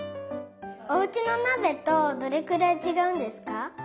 おうちのなべとどれくらいちがうんですか？